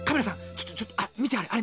ちょっとちょっとみてあれ。